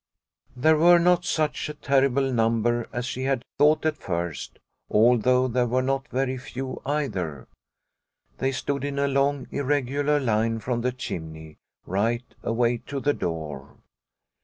There were not such a terrible number as she had thought at first, although there were not very few either. They stood in a long ir regular line from the chimney, right away to the door.